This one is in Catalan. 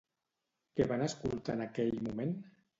Què van escoltar en aquell moment?